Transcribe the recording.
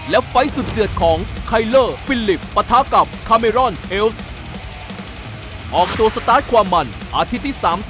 และไฟต์สุดเดือดของไคเลอร์ฟิลิปปะทะกับคาเมร่อนเอลส์